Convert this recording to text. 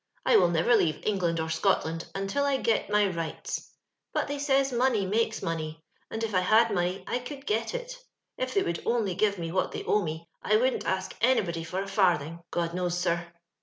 '*I will never leave England or Scotland until I get my rights ; but they says money makes money, and if I had money I could get it. If they would only give me what they owe me, I wouldn't ask anybody for a farthing, God knows, sir.